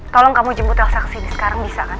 tolong kamu jemput elsa ke sini sekarang bisa kan